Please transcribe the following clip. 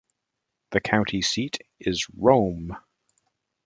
The county seat is Rome.